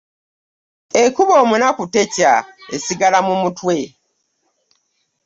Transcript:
Ekuba omunaku tekya, esigala mu mutwe .